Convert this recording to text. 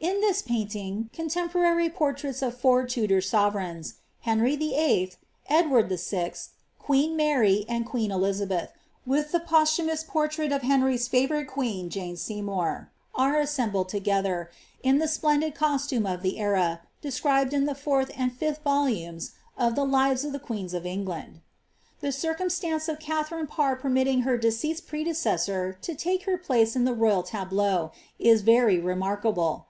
In this painting, contemporary portraits of :bur Tudor sovereigns ^ KATHARINS PARS. 4S r VIII., Edward VI., queen Mary, and queen Elizabeth, with the iimous portrait of Henry's favourite queen, Jane Seymour — are bled together, in tlie splendid costume of tlie era described in the and fifth volumes of ^^ Tiie Lives of the Queens of England." e circumstance of Katharine Parr permitting her deceased prede ' to take her place in the royal tableau, is very remarkable.